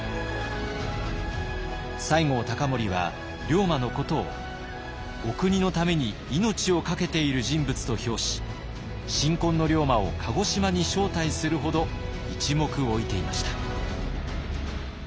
西郷隆盛は龍馬のことをお国のために命をかけている人物と評し新婚の龍馬を鹿児島に招待するほど一目置いていました。